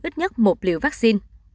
ít nhất một liệu vaccine